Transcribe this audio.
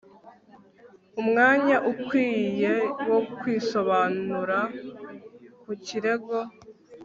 umwanya ukwiye wo kwisobanura ku kirego